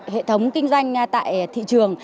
hệ thống kinh doanh tại thị trường